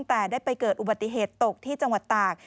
แต่ได้ไปเกิดอุบัติเหตุตกที่จังหวัดตาก